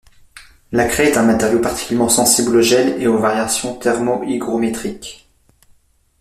La craie est un matériau particulièrement sensible au gel et aux variations thermohygrométriques.